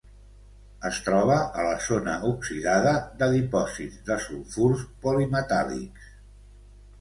Es troba a la zona oxidada de dipòsits de sulfurs polimetàl·lics.